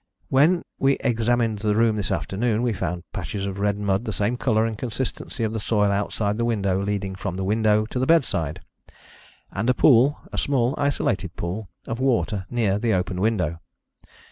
When we examined the room this afternoon, we found patches of red mud of the same colour and consistency of the soil outside the window leading from the window to the bedside, and a pool a small isolated pool of water near the open window.